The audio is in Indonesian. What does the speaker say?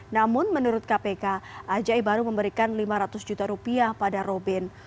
namun menurut kpk ajai baru memberikan lima ratus juta rupiah pada robin